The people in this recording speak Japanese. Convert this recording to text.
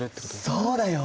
そうだよ。